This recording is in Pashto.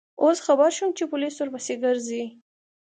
اوس خبر شوم چې پولیس ورپسې گرځي.